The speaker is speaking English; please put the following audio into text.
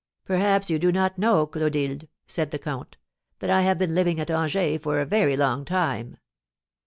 "Perhaps you do not know, Clotilde," said the comte, "that I have been living at Angers for a very long time?"